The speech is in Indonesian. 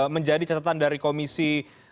menjadi catatan dari komisi